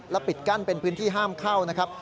ปิดกั้นเป็นพื้นที่ห้ามเข้านะครับ